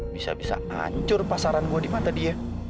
bisa bisa hancur pasaran gue di mata dia